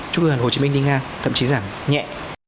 chung cư hà nội hồ chí minh đi ngang thậm chí giảm nhẹ